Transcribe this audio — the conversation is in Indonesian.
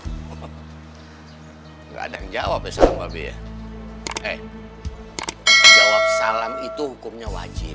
hai kadang jawab bisa ngobinya eh jawab salam itu hukumnya wajib